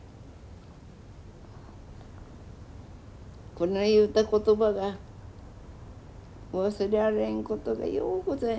こない言うた言葉が忘れられんことがようございます。